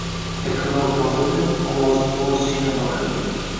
Yaqinroq bordi-da, ovozini boricha yana baqirdi